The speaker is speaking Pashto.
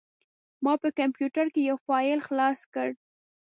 ما په کمپوټر کې یو فایل خلاص کړ.